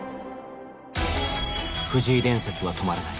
藤井伝説は止まらない。